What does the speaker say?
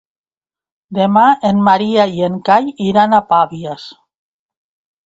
Demà en Maria i en Cai iran a Pavies.